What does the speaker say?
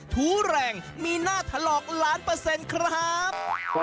ถูแรงมีหน้าถลอกล้านเปอร์เซ็นต์ครับ